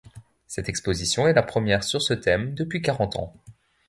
Cette exposition est la première sur ce thème depuis quarante ans.